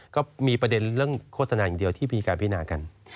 ก็มีประเด็นเรื่องโฆษณาอย่างเดียวที่มีการพินากัน